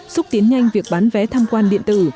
xúc tiến nhanh việc bán vé tham quan điện tử